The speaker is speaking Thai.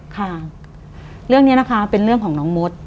ค่ะเรื่องนี้นะคะเป็นเรื่องของน้องมด